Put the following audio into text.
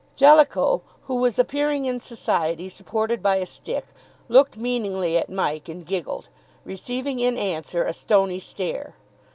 Jellicoe, who was appearing in society supported by a stick, looked meaningly at Mike, and giggled, receiving in answer a stony stare.